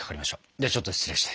ではちょっと失礼して。